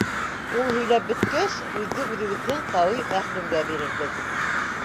Ул һөйләп бөткәс, һүҙҙе үҙебеҙҙең Ҡәүи мәхдүмгә бирербеҙ.